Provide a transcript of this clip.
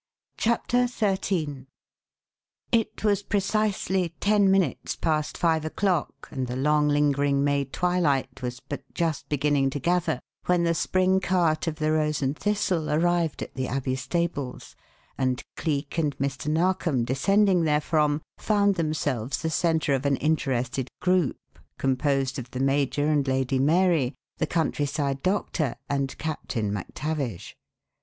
CHAPTER XIII It was precisely ten minutes past five o'clock and the long lingering May twilight was but just beginning to gather when the spring cart of the Rose and Thistle arrived at the Abbey stables, and Cleek and Mr. Narkom descending therefrom found themselves the centre of an interested group composed of the major and Lady Mary, the countryside doctor, and Captain MacTavish.